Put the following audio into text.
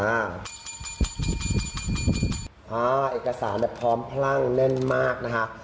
อ่าเอกสารแบบพร้อมพลั่งแน่นมากนะคะ